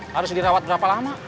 harus dirawat berapa lama